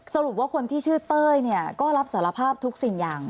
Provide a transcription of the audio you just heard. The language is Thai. สรุปว่าคนที่ชื่อเต้ยก็รับสารภาพทุกสิ่งอย่าง